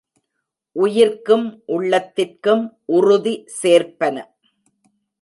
உயிர்க்கும், உள்ளத்திற்கும் உறுதி சேர்ப்பன.